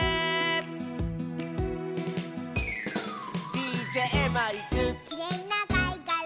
「ＤＪマイク」「きれいなかいがら」